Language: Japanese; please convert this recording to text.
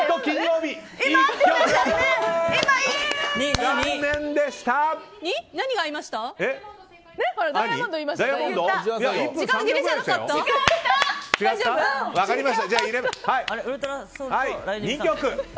金曜日は２曲。